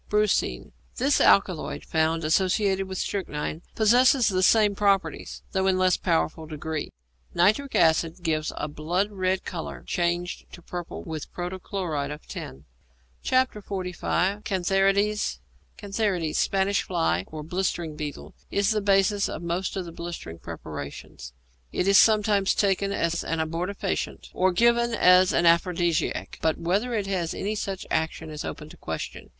=Brucine.= This alkaloid, found associated with strychnine, possesses the same properties, though in a less powerful degree. Nitric acid gives a blood red colour, changed to purple with protochloride of tin. XLV. CANTHARIDES =Cantharides.= Spanish fly, or blistering beetle, is the basis of most of the blistering preparations. It is sometimes taken as an abortifacient or given as an aphrodisiac, but whether it has any such action is open to question.